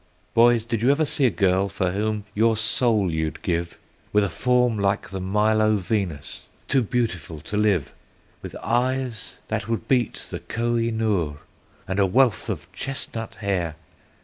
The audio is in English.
"Boys, did you ever see a girl for whom your soul you'd give, With a form like the Milo Venus, too beautiful to live; With eyes that would beat the Koh i noor, and a wealth of chestnut hair?